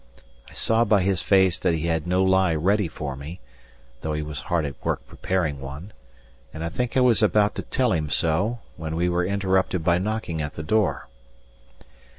I saw by his face that he had no lie ready for me, though he was hard at work preparing one; and I think I was about to tell him so, when we were interrupted by a knocking at the door.